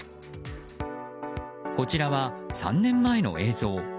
こちらは３年前の映像。